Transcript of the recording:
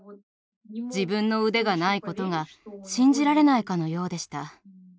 自分の腕がないことが信じられないかのようでした。